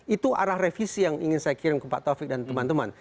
itu arah revisi yang ingin saya kirim ke pak taufik dan teman teman